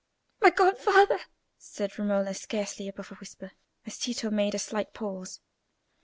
"My godfather?" said Romola, scarcely above a whisper, as Tito made a slight pause.